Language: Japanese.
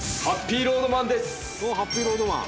ハッピーロードマンです！